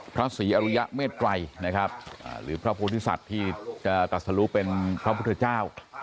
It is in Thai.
พระศรีอรุยะเมตรัยนะครับหรือพระพุทธศัตริย์ที่จะตัดสรุเป็นพระพุทธเจ้า